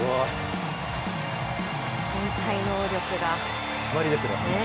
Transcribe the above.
身体能力が。